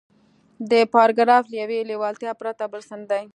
دا پاراګراف له يوې لېوالتیا پرته بل څه نه دی.